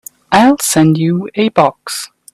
I'll send you a box.